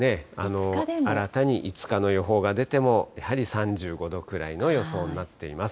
新たに５日の予報が出ても、やはり３５度くらいの予想になっています。